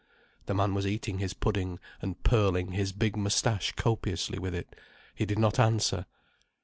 The man was eating his pudding and pearling his big moustache copiously with it. He did not answer.